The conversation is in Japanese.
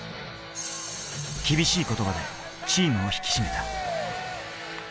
厳しい言葉でチームを引き締めた。